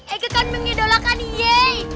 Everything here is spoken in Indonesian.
ege kan mengidolakan yey